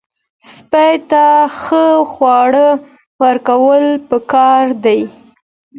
سپي ته ښه خواړه ورکول پکار دي.